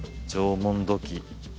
縄文土器